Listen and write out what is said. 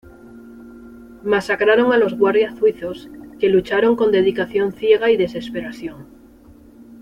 Masacraron a los Guardias Suizos, que lucharon con dedicación ciega y desesperación.